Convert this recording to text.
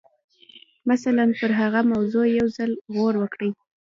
مثلاً پر هغه موضوع یو ځل غور وکړئ